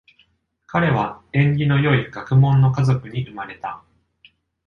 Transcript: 彼は縁起の良い学問の家族に生まれた。